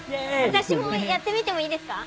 私もやってみてもいいですか？